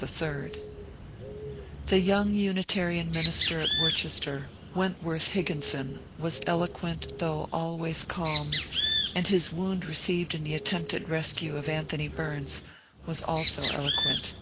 The young 184 MONCURE DANIEL CONWAY Unitarian minister at Worcester, Wentworth Higginson, was eloquent though always calm, and his wound received in the attempted rescue of Anthony Bums was also eloquent.